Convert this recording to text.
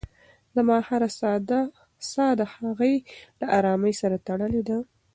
زما هره ساه د هغې له ارامۍ سره تړلې ده.